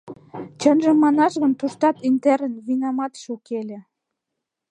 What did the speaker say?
Чынжым манаш гын, туштат «Интерын» винаматше уке ыле.